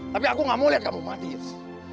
tapi aku gak mau lihat kamu mati yus